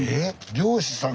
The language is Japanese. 漁師さんが。